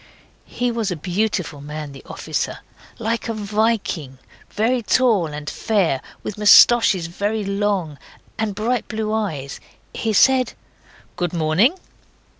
He was a beautiful man the officer. Like a Viking. Very tall and fair, with moustaches very long, and bright blue eyes. He said 'Good morning.